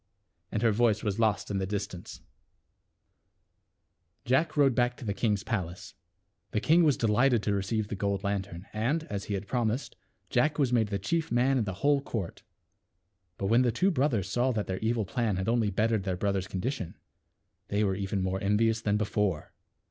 And her voice was lost in the distance. THE WITCH'S TREASURES. 245 Jack rowed back to the king's palace. The king was delighted to receive the gold lantern, and, as he had promised, Jack was made the chief man in the whole court. But when the two brothers saw that their evil plan had only bettered their brother's condition, they were even more envi ous than before.